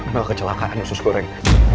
mel kecelakaan ustaz goreng